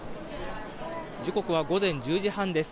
時刻は午前１０時半です。